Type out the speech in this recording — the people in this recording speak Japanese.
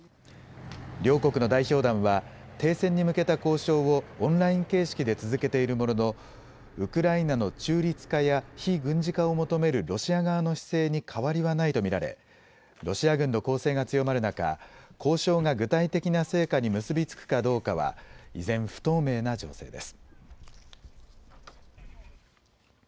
両国の代表団は停戦に向けた交渉をオンライン形式で続けているもののウクライナの中立化や非軍事化を求めるロシア側の姿勢に変わりはないと見られロシア軍の攻勢が強まる中、交渉が具体的な成果に結び付くかどうかは依然、不透明な情勢です。